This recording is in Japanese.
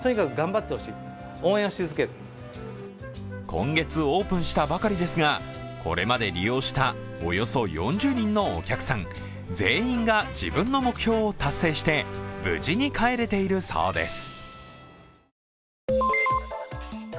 今月オープンしたばかりですがこれまで利用したおよそ４０人のお客さん、全員が自分の目標を達成して無事に帰れているそうです。